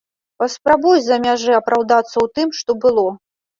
Паспрабуй з-за мяжы апраўдацца ў тым, што было!